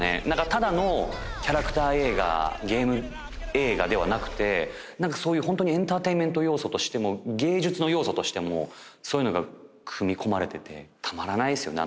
ただのキャラクター映画ゲーム映画ではなくてなんかそういう本当にエンターテインメント要素としても芸術の要素としてもそういうのが組み込まれててたまらないですよね